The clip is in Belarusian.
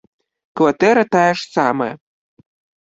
Кватэра тая ж самая.